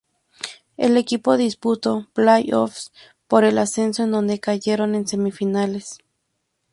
El equipo disputó play offs por el ascenso en donde cayeron en semifinales.